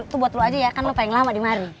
itu buat lu aja ya kan lo pengen lama dimari